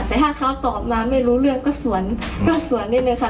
แต่ถ้าเขาตอบมาไม่รู้เรื่องก็สวนนิดนึงค่ะ